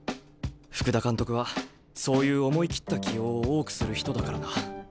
福田監督はそういう思い切った起用を多くする人だからな。